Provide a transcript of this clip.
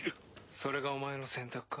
それがお前の選択か？